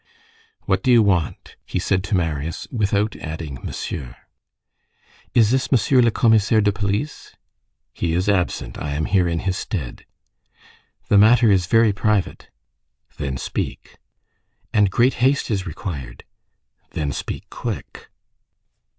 "What do you want?" he said to Marius, without adding "monsieur." "Is this Monsieur le Commissaire de Police?" "He is absent. I am here in his stead." "The matter is very private." "Then speak." "And great haste is required." "Then speak quick."